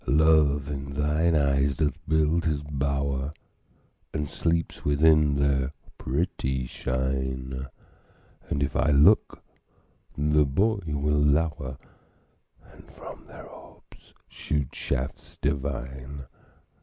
Love in thine eyes doth build his bower, And sleeps within their pretty shine; And if I look, the boy will lower, And from their orbs shoot shafts divine.